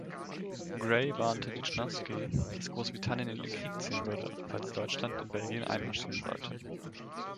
Grey warnte Lichnowsky, dass Großbritannien in den Krieg ziehen würde, falls Deutschland in Belgien einmarschieren sollte.